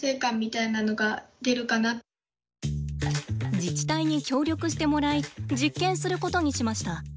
自治体に協力してもらい実験することにしました。